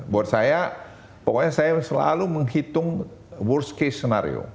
buat saya pokoknya saya selalu menghitung worst case scenario